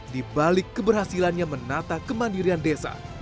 di balik keberhasilannya menata kemandirian desa